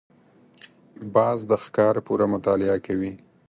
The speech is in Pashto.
باز د ښکار پوره مطالعه کوي